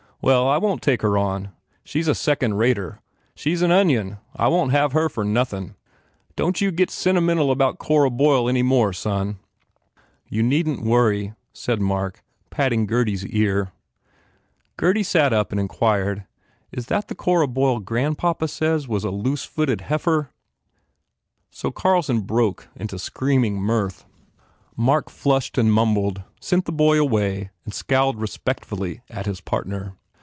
Well, I won t take her on. She s a second rater. She s an onion. I won t have her for nothin . Don t you 6 4 FULL BLOOM get scntymental about Cora Boyle any more, son!" "You needn t worry," said Mark, patting Gurdy s ear. Gurdy sat up and inquired, "Is that the Cora Boyle grandpapa says was a loose footed heifer?" So Carlson broke into screaming mirth. Mark flushed and mumbled, sent the boy away and scowled respectfully at his partner.